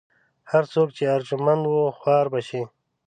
هر څوک چې ارجمند و خوار به شي.